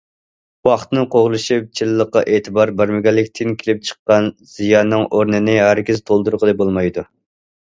ۋاقىتنى قوغلىشىپ چىنلىققا ئېتىبار بەرمىگەنلىكتىن كېلىپ چىققان زىياننىڭ ئورنىنى ھەرگىز تولدۇرغىلى بولمايدۇ.